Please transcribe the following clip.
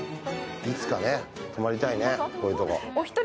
いつか泊まりたいね、こういうとこ。